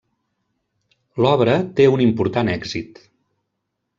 L'obra té un important èxit.